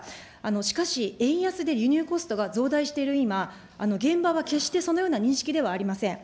しかし、円安で輸入コストが増大している今、現場は決してそのような認識ではありません。